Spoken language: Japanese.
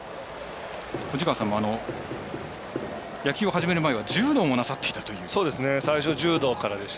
藤川さんも野球を始める前は柔道をなさっていたと。